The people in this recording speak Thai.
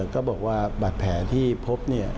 ก็บอกว่าบาดแผลที่พบ